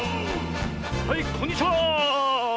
はいこんにちは！